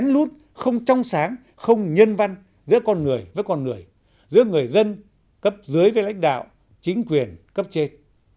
nút không trong sáng không nhân văn giữa con người với con người giữa người dân cấp dưới với lãnh đạo chính quyền cấp trên